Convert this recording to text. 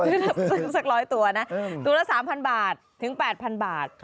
เพิ่งสัก๑๐๐ตัวนะตัวละ๓๐๐บาทถึง๘๐๐บาท